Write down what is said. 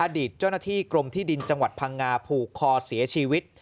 อดีตเจ้าหน้าที่กรมที่ดินจังหวัดพังงาผูกคอเสียชีวิต